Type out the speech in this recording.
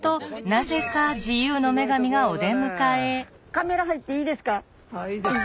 カメラ入っていいですか？